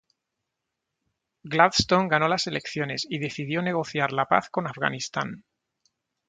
Gladstone ganó las elecciones y decidió negociar la paz con Afganistán.